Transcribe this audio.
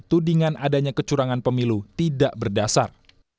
tudingan adanya kecurangan pemilu tidak berdasar